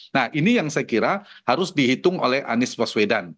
nah ini yang saya kira harus dihitung oleh anies baswedan